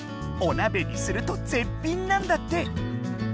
おなべにすると絶品なんだって！